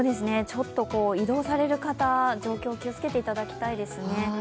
ちょっと移動される方、状況に気をつけていただきたいですね。